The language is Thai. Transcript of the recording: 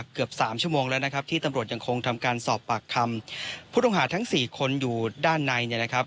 ผู้ต้องหาทั้ง๔คนอยู่ด้านในนะครับ